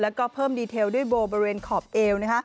แล้วก็เพิ่มดีเทลด้วยโบบริเวณขอบเอว